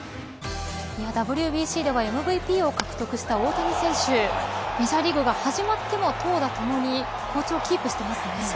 ＷＢＣではＭＶＰを獲得した大谷選手メジャーリーグが始まっても投打ともに好調キープしてますね。